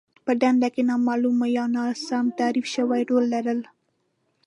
په دنده کې نامالوم يا ناسم تعريف شوی رول لرل.